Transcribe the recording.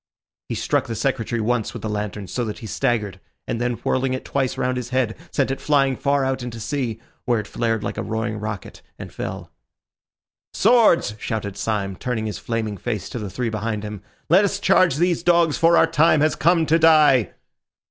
He struck the Secretary once with the lantern so that he staggered; and then, whirling it twice round his head, sent it flying far out to sea, where it flared like a roaring rocket and fell. "Swords!" shouted Syme, turning his flaming face to the three behind him. "Let us charge these dogs, for our time has come to die."